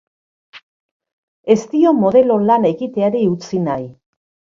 Ez dio modelo lan egiteri utzi nahi.